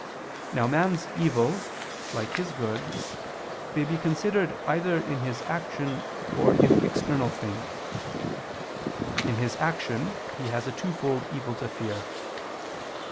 Now man's evil, like his good, may be considered either in his action or in external things. In his action he has a twofold evil to fear.